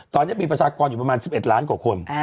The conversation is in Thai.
ตอนนี้มีประชากรอยู่ประมาณ๑๑ล้านกว่าคน